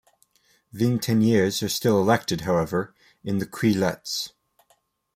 Vingteniers are still elected, however, in the cueillettes.